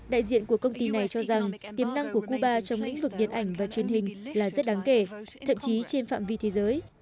đại diện của công ty này cho rằng tiềm năng của cuba trong lĩnh vực điện ảnh và truyền hình là rất đáng kể thậm chí trên phạm vi thế giới